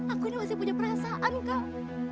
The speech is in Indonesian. aku ini masih punya perasaan kang